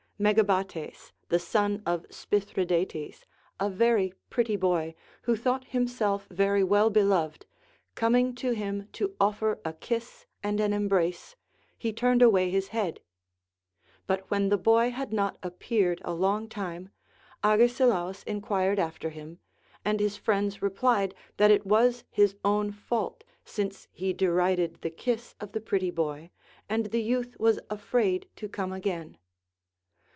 Megabates the son of Spithridates, a very pretty boy, who thought himself very well beloved, coming to him to offer a kiss and an embrace, he turned aAvay his head. But when the boy had not appeared a long time, Agesilaus en quired after him ; and his friends replied, that it was his own fault, since he derided the kiss of the pretty boy, and the youth was afraid to come again.